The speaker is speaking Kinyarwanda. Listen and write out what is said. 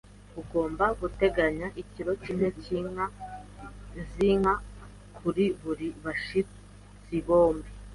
Nkuko bisanzwe bigenda, ugomba guteganya ikiro kimwe cyinka zinka kuri buri bashyitsi bombi.